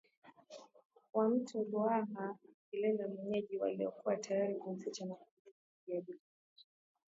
wa mto Ruaha akilindwa na wenyeji waliokuwa tayari kumficha na kumlinda dhidi ya vikosi